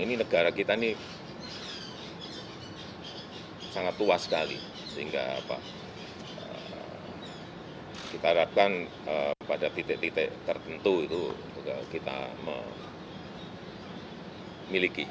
ini negara kita ini sangat tua sekali sehingga kita harapkan pada titik titik tertentu itu kita memiliki